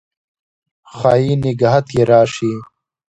ښايي نګهت یې راشي